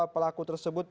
dua pelaku tersebut